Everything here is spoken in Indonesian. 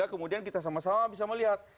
kemudian kita sama sama bisa melihat